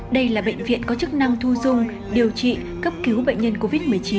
đây là bệnh viện có chức năng thu dung điều trị cấp cứu bệnh nhân covid một mươi chín